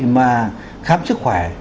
mà khám sức khỏe